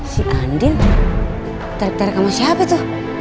si andin tarik tarik sama siapa tuh